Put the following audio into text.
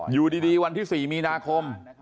อยู่ดีวันที่๔มีนาคม